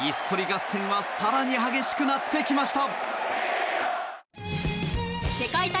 椅子取り合戦は更に激しくなってきました。